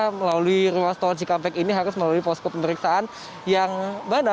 melalui ruas tol cikampek ini harus melalui posko pemeriksaan yang mana